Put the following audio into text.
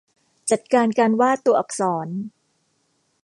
จัดการการวาดตัวอักษร